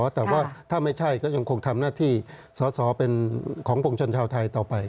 แต่ว่าถ้าไม่ใช่ก็ยังคงทำหน้าที่สอสอเป็นของปวงชนชาวไทยต่อไป